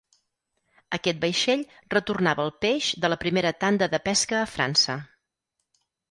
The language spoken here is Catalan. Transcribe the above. Aquest vaixell retornava el peix de la primera tanda de pesca a França.